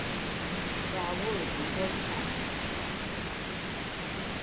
They are wooly on both sides.